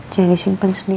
jadi simpen sendiri